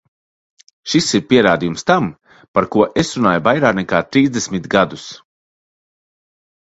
Šis ir pierādījums tam, par ko es runāju vairāk nekā trīsdesmit gadus.